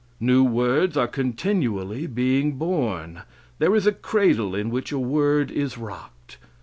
New words are continually being born. There is a cradle in which a word is rocked.